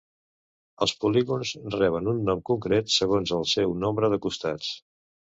Els polígons reben un nom concret segons el seu nombre de costats.